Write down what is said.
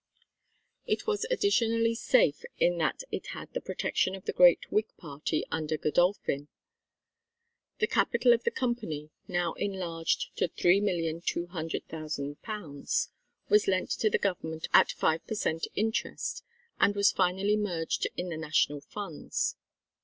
It was additionally safe in that it had the protection of the great Whig Party under Godolphin. The capital of the Company, now enlarged to £3,200,000, was lent to the Government at five per cent. interest and was finally merged in the National Funds.